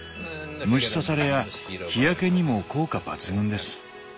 虫刺されや日焼けにも効果抜群です。